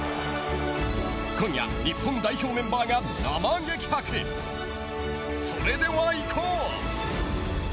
今夜日本代表メンバーが生激白それではいこう。